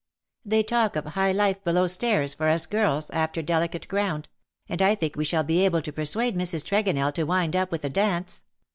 They talk of '' High Life below Stairs '' for us girls^ after " Delicate Ground ;" and I think we shall be able to persuade Mrs. Tregonell to wind up with a dance.